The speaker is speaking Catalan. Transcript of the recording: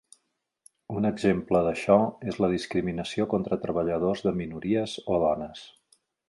Un exemple d'això és la discriminació contra treballadors de minories o dones.